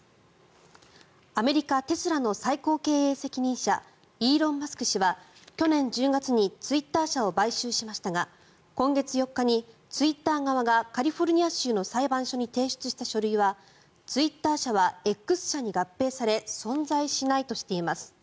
アメリカ、テスラの最高経営責任者イーロン・マスク氏は去年１０月にツイッター社を買収しましたが今月４日にツイッター側がカリフォルニア州の裁判所に提出した書類はツイッター社はＸ社に合併され存在しないとしています。